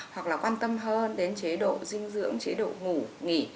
hoặc là quan tâm hơn đến chế độ dinh dưỡng chế độ ngủ nghỉ